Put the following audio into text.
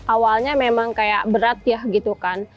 awalnya memang kayak berat ya gitu kan